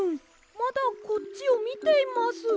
まだこっちをみています。